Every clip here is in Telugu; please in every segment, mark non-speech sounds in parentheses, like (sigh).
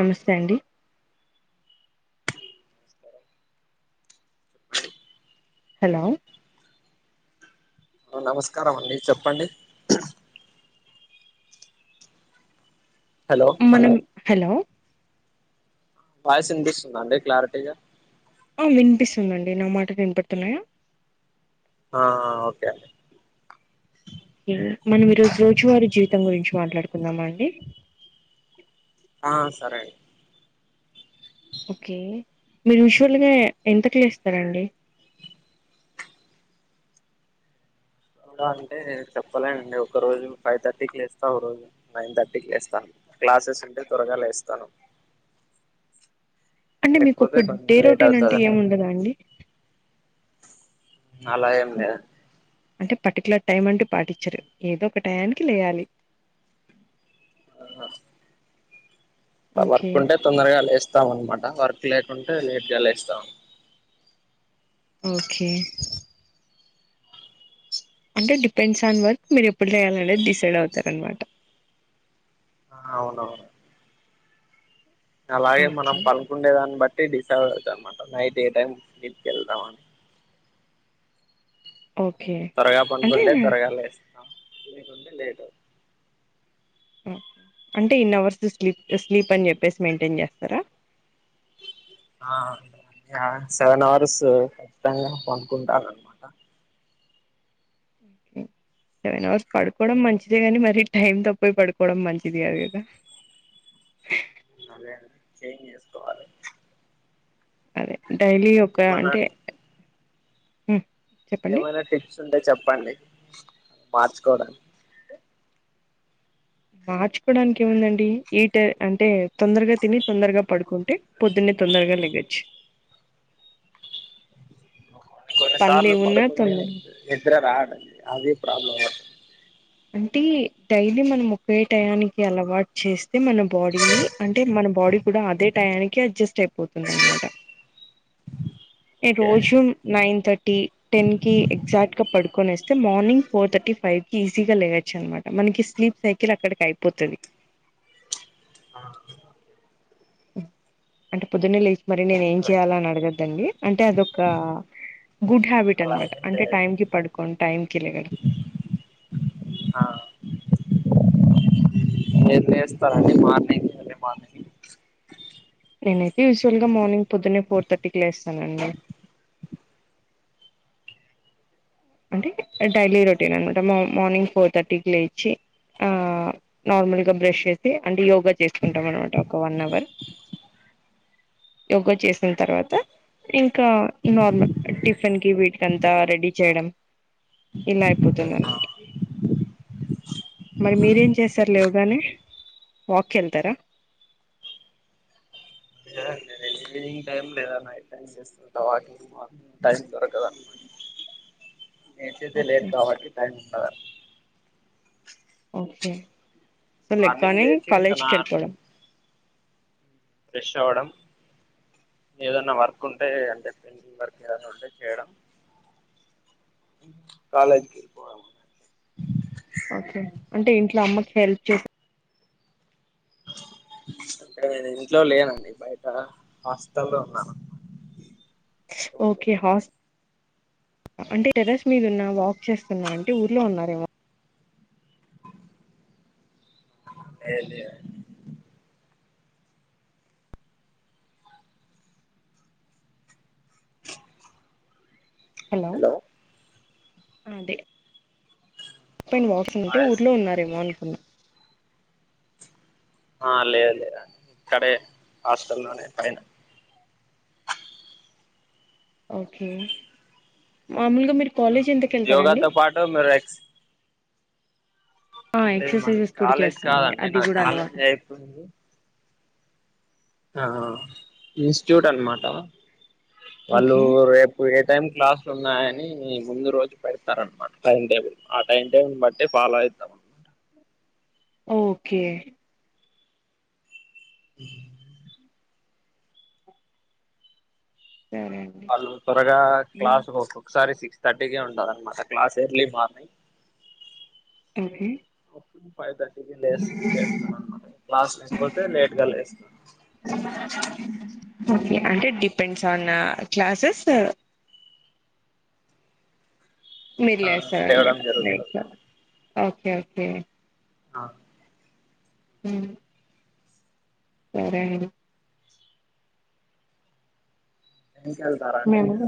నమస్తే అండి నమస్కారం చెప్పండి హలో హలో నమస్కారం అండి చెప్పండి హలో మనం హలో వాయిస్ వినిపిస్తుందా అండి క్లారిటీగా వినిపిస్తుందండి నా మాటలు వినిపడుతున్నాయా ఆ ఆ ఓకే అండి మనం ఈ రోజు రోజువారి జీవితం గురించి మాట్లాడుకుందామ అండి ఆ సరేండి ఓకే మీరు యూజువల్గా ఎంత క్ లేస్తార అండి అంటే చెప్పలేనండి ఒక రోజు ఫైవ్ థర్టీకి లేస్తా ఓ రోజు నైన్ థర్టీకి లేస్తాను క్లాసెస్ ఉంటే త్వరగా లేస్తాను అంటే మీకు లేకపోతే ఒక కొంచెం డే లేట్ రొటీన్ అవుతది అంటే అండి ఏమి ఉండదా అండి అలా ఏం లేదండీ అంటే పర్టిక్యలర్ టైం అంటూ పాటించరు ఏదో ఒక టయానికి లేయాలి ఆహా ఓకే వర్క్ ఉంటే తొందరగా లేస్తాం అన్నమాట వర్క్ లేకుంటే లేట్ గా లేస్తాం ఓకే అంటే డిపెండ్స్ ఆన్ వర్క్ మీరు ఎప్పుడు లేయాలి అనేది డిసైడ్ అవుతారు అన్నమాట ఆవును అలాగే మనం ఓకే పడుకుండే దాన్ని బట్టి డిసైడ్ అవుతది అనమాట నైట్ ఏ టైం స్లీప్ కెల్తామని ఓకే త్వరగా అంటే పనుకుంటే త్వరగా లేస్తాం లేకుంటే లేట్ అవుతుంది ఓకే అంటే ఇన్ అవర్స్ స్లీప్ స్లీప్ అని చెప్పేసి మెయింటైన్ చేస్తారా ఆ యా సెవెన్ అవర్స్ ఖచ్చితంగా పనుకుంటాను అనమాట (inaudible) సెవెన్ అవర్స్ పడుకోవడం మంచిదే గాని మరి టైమ్ తోపోయి పడుకోవడం మంచిది కాదు కదా అదే అండి చేంజ్ చేసుకోవాల అదే డైలీ ఒక ఏమైనా అంటే హ్మ్. చెప్పండి ఏమైనా టిప్స్ ఉంటే చెప్పండి మార్చుకోవడానికి మార్చుకోవడానికి ఏముందండి ఈ టై అంటే తొందరగా తిని తొందరగా పడుకుంటే పొద్దునే తొందరగా లెగోచ్చు పనులు కొన్నిసార్లు ఏమున్నా పడుకుంటే తొందర నిద్ర రాదండి అది ప్రాబ్లం అవుతుంది అంటే డైలీ మనం ఒకే టయానికి అలవాటు చేస్తే మన బాడీని అంటే మన బాడీ కూడా అదే టయానికి అడ్జస్ట్ అయిపోతుంది అనమాట ఈ ఓకే రోజు నైన్ థర్టీ టెన్ కి ఎగ్జాక్ట్ గా పడుకొ నేస్తే మార్నింగ్ ఫోర్ థర్టీ ఫైవ్ కి ఈస్ గా లేయొచ్చు అనమాట మనకి స్లీప్ సైకిల్ అక్కడికి అయిపోతది ఆ అంటే పొద్దునే లేచి మరి నేను ఏం చెయాల అని అడగద్దండి అంటే అదొక గుడ్ హ్యాబిట్ అలా అనమాట ఏం అంటే లేదు టైం కి పడుకోనీ టైంకి లేగటం ఏం చేస్తారండి మార్నింగ్ ఎర్లీ మార్నింగ్ నేనైతే యూజువల్ గా మార్నింగ్ పొద్దునే ఫోర్ థర్టీకి లేస్తానండి అంటే డైలీ రొటీన్ అనమాట మార్నింగ్ ఫోర్ థర్టీకి లేచి ఆ నార్మల్ గా బ్రష్ చేసి అంటే యోగా చేసుకుంటాం అనమాట ఒక వన్ అవర్ యోగా చేసిన తర్వాత ఇంకా నార్మల్ టిఫిన్ కి వీటికింతా రెడీ చేయడం ఇలా అయిపోతుదండి మరి మీరేం చేస్తారు లేవుగానే వాక్ కి వెళ్తారా లేదండి లేచి ఈవినింగ్ టైమ్ లేదా నైట్ టైమ్ సే వాకింగ్ కి టైమ్ దొరకల నేను లేసేదీ ఓకే లేట్ కాబట్టి టైం ఉండదు ఓకే సో మార్నింగ్ లేగ్గానే లేచి ఇంకా కాలేజ్కి నా వెళ్ళిపోవడం ఫ్రెష్ అవడం ఏదన్నా వర్క్ ఉంటే అంటే పెయింటింగ్ వర్క్ ఏదన్నా ఉంటే చేయడం కాాలేజ్కి పోవడం ఓకే అంటే ఇంట్లో అమ్మకి హెల్ప్ చేస్త అంటే నేను ఇంట్లో లేనండి బయట హాస్టల్లో ఉన్నాను ఓకే హాస్ అంటే టెరెస్ మీద ఉన్నా వాక్ చేస్తున్నా అంటే ఊర్లో ఉన్నారేమో ఏ లేదు హలో అదే పైన వాక్స్ ఉంటే ఊర్లో ఉన్నారేమో అనుకున్న ఆ లేదు లేదు ఇక్కడే హాస్టల్లోనే పైన ఓకే మామూలుగా కాలేజ్ ఎంతకి వెళ్తారండి యోగాతో పాటు ఆ అంటే మాది ఎక్సర్సైజెస్ కూడా కాలేజ్ చేస్తామండి కాదండి అది నాది కూడా కాలేజ్ అలవాటు అయిపోంది ఆ ఇన్స్టిట్యూట్ అనమాట వాళ్ళు ఓకే రే ఏ టైం క్లాసులు ఉన్నాయని ముందు రోజు పెడతారు అనమాట టైం టేబుల్ టైం టేబుల్ బట్టి ఫాలో అవుతాం ఓకే ఉం వాళ్ళు త్వరగా క్లాస్లు ఒక్కొక్కసారి సిక్స్ థర్టీకే ఉంటాదన్నమాట క్లాస్ ఎర్లీ మార్నింగ్ ఏది ఫైవ్ థర్టీకి లే లేస్తాను అనమాట క్లాస్ లేకపోతే లేట్ గా లేస్తాను ఓకే అంటే డిపెండ్స్ ఆన్ క్లాసెస్ మీరు లేవడం లేస్తారన్నమాట లే జరుగుతుంది ఓకే ఓకే ఆ హ సరే అండి ఇంకా వెళ్తారా అండి మేము మీరు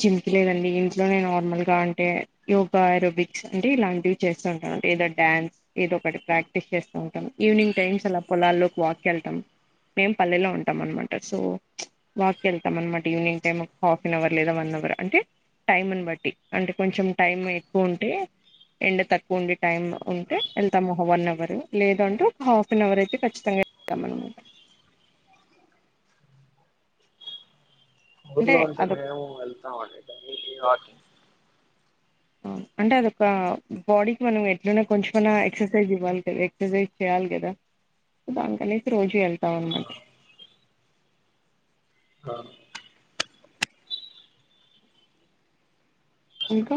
జిమ్ కి లేదండి ఇంట్లోనే నార్మల్గా అంటే యోగా అరోబిక్స్ అంటే ఇలాంటివి చేస్తుంటా ఏదో డ్యాన్స్ ఏదో ఒకటి ప్రాక్టీస్ చేస్తూ ఉంటాం ఈవినింగ్ టైమ్స్ అలా పొలాల్లోకి వాక్ వెళ్తాం మేం పల్లెలో ఉంటాం అనమాట సో వాక్ వెళ్తాం అనమాట evening time half an hour లేదా వన్ అవర్ అంటే టైమ్ని బట్టి అంటే కొంచెం టైం ఎక్కువ ఉంటే ఎండ తక్కువ ఉండి టైమ్ ఉంటే వెళ్తాము వన్ అవర్ లేదు అంటే ఒక హాఫ్ అన్ అవర్ అయితే ఖచ్చితంగా కమలము అంటే ఊర్లో ఉంటే అదొక మేము వెళ్తాం అండి వాకింగ్ అంటే అదొక బాడీకి మనం ఎట్లన్నా కొంచెమన్నా ఎక్సర్సైజ్ ఇవ్వాలి ఎక్సర్సైజ్ చేయాలి కదా దానికనేసి రోజు వెళ్తాం అనమాట ఆ ఇంకా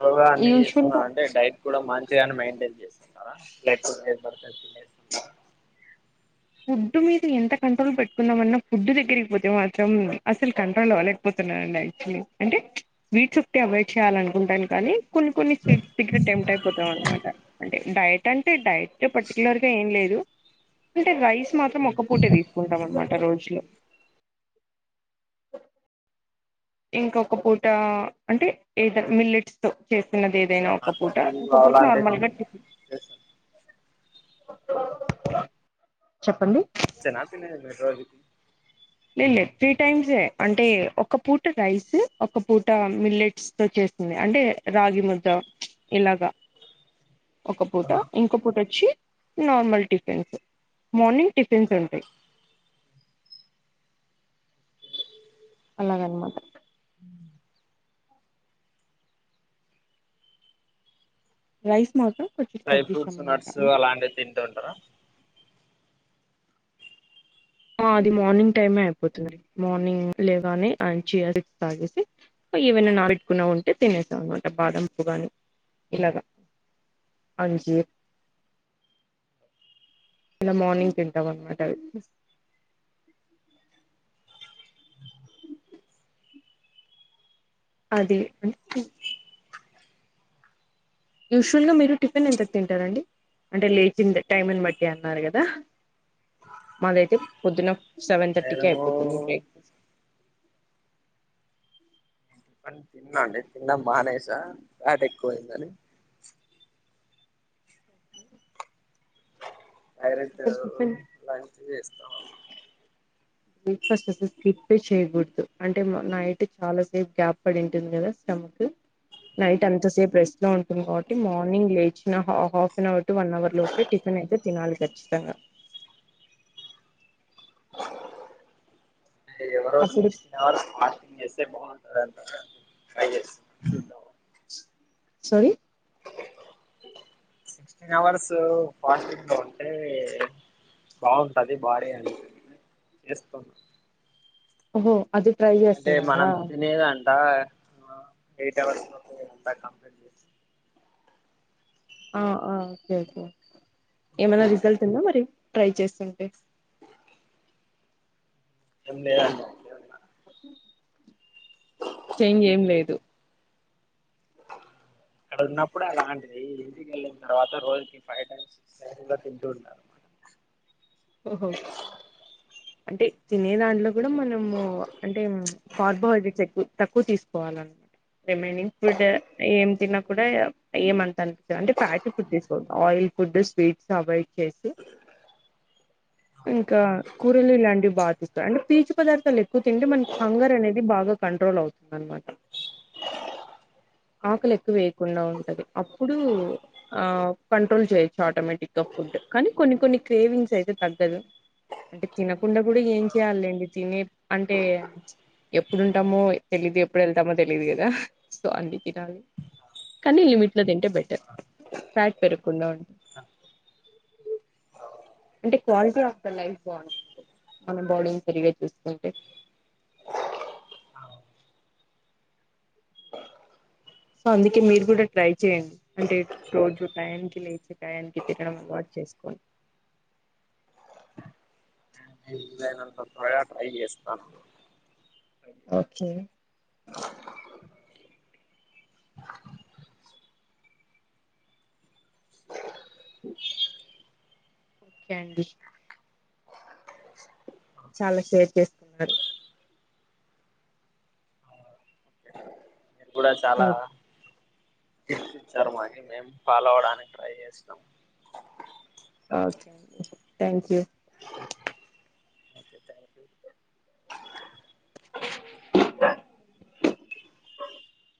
యోగా అన్ని యూజువల్ చేస్తున్నా గా అంటే డైట్ కూడా మంచిగానే మెయింటైన్ చేస్తుంటారా ఫుడ్ మీద ఎంత కంట్రోల్ పెట్టుకున్నాదమన్నా ఫుడ్ దగ్గరికి పోతే మాత్రం అసలు కంట్రోల్ అవ్వలేకపోతున్న అండి అంటే స్వీట్స్ ఒకటి అవాయిడ్ చేయాలి అనుకుంటాను కానీ కొన్ని కొన్ని స్వీట్ దగ్గర టెంప్ట్ అయిపోతాం అనమాట అంటే డైట్ అంటే డైట్ పర్టికులర్ గా ఏం లేదు అంటే రైస్ మాత్రం ఒక్క పూటే తీసుకుంటాం అనమాట రోజులో ఇంకొక పూట అంటే ఏదో మిల్లెట్స్ తో చేస్తున్నది ఏదైనా ఒక పూట నట్స్ ఒక పూట అలాంటివి నార్మల్గా టిఫన్ చెప్పండి. ఇంతే న తినేది మీరు రోజు. లేదు లేదు త్రీ టైమ్స్ సే అంటే ఒక పూట రైసు ఒక పూట మిల్లెట్స్. వొచ్చేస్తుంది అంటే రాగి ముద్ద ఇలాగా. ఒక పూట ఇంకో పూట ఓచ్చి నార్మల్ టిఫిన్స్ మార్నింగ్ టిఫిన్స్ సుంటాయి. అలాగన్మాట. అ రైస్ మాత్రం కొంచం తగ్గిస్తాం అన్నమాట అంటే. అదే తింటూ ఉంటారా. అ అది మార్నింగ్ టైమే అయిపోతుంది మార్నింగ్ లేవానే అండ్ చ్చియ సీడ్స్ తాగేసి. ఏవైనా నాబెట్టుకున్నా ఉంటే తినేస్త అన్నమాట బాదం పప్పు గాని ఇలాగా. అంజిర్. ఇలా మార్నింగ్ తింటామన్నమాట అవి. (unintelligible) యూజువల్ గా మీరు టిఫిన్ ఎంతకు తింటారండి అంటే లేచిన్ దా టైమిని బట్టి అన్నారు గదా. మాదయితే పొద్దున సెవెన్ థట్టీకే నేను అయిపోతుంది బ్రేక్ఫాస్ట్. తిన్నాండి తిన్నడం మానేసా వాటేక్కువయిందని. ఓకే డైరెక్టు లంచ్ జేస్తా. బ్రేక్ఫాస్ట్ స్కిప్ చేయకూడదు అంటే మ నైట్ చాలా సేపు గ్యాప్ పడి ఉంటుంది గదా స్టమక్. నైట్ అంత సేపు రెస్టు లో ఉంటుంది కాబట్టి మార్నింగ్ లేచినా half an hour to one hour లో. ఏ టిఫిన్ అయితే తినాలి కచ్చితంగా. ఎవరో అప్పుడు సిక్స్టీన్ అవర్స్ ఫాస్టింగ్ చేస్తే బాగుంటదన్నారు ట్రై చేస్తా. స్ సారీ. సిక్స్టీన్ అవర్స్సు ఫాస్టింగ్ లో ఉంటే. బాగుంటది బాడీ అని చేస్తు. ఓహో. అది ట్రై జే. అంటే మనం తినేదంట అ ఎయిట్. అవరుస్సు. ఆ అ ఓకే ఏమైనా రిజల్ట్ ఉందా మరి ట్రై చేస్తుంటే. ఉండే. చేంజ్ ఏం లేదు. అక్కడ ఉన్నప్పుడు అలాంటిది ఇంటికేళ్ళిన తర్వాత రోజుకి ఫైవ్ టైమ్ అలా తింటుంటా. ఓహో అంటే తినే దాంట్లో గూడా మనము అంటే మూ. కార్బోహైడ్రేట్స్ ఎక్కువ తక్కువ తీసుకోవాలన్న. రిమైనింగ్ ఫుడ్డ ఏం తిన కూడా ఏమంత అనిపిస్తుంది అంటే ఫ్యాటి. ఫుడ్ తీసుకుంటా ఆయిల్ ఫుడ్ స్వీట్స్ అవాయిడ్ చేస్తు. ఇంకా కూరలు లాంటివి బాగా తిస్తారు అంటే పీచు పదార్థాలు ఎక్కువ తింటే మనకి హంగర్ అనేది బాగా కంట్రోల్ అవు. అన్నమట. ఆకలేక్కువ వేయకుండా ఉంటది అప్పుడూ. ఆ కంట్రోల్ చేయి ఆటోమేటిక్ గా ఫుడ్ కానీ కొన్ని కొన్ని క్రేవింగ్స్ అయితే. తగ్గదు అంటే తినకుండా గూడా ఏం చేయాలీ లెండి తినే అంటే ఏ. ఎప్పుడుంటామో తెలీదు ఎప్పుడు వెళ్తామో తెలిదు కదా సో అన్ని తినాలి కనీ లిమిట్ లో తింటే బెటర్ ఫ్యాట్ పెరగకుండా ఉంటుంది అంటే క్వాలిటీ ఆఫ్ ద లైఫ్ బాగుంటుంది కదా మన బాడీని సరిగ్గా చూసుకుంటే సో అందుకే మీరు కూడా ట్రై చేయండి అంటే రోజు టయానికి లేచి టయానికి తినడం అలవాటు చేసుకోండి మీకు వీళ్ళేనంత త్వరగా ట్రై చేస్తాను ఓకే ఉమ్ ఓకే అండి చాలా షేర్ చేస్తారు మీరు కూడా చాలా ఓ- ఆలోచించారు మా మేము ఫాలో అవడానికి ట్రై చేస్తాం ఓకే అండి thank you okay thank you